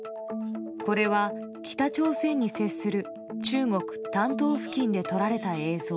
これは北朝鮮に接する中国・丹東付近で撮られた映像。